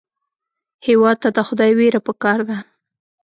هېواد ته د خدای وېره پکار ده